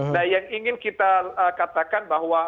nah yang ingin kita katakan bahwa